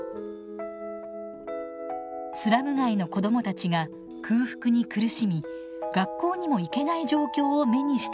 スラム街の子どもたちが空腹に苦しみ学校にも行けない状況を目にしたのです。